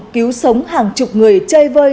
cứu sống hàng chục người chơi vơi